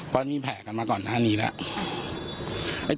เพราะมีแผลกันมาก่อนหน้านี้แล้ว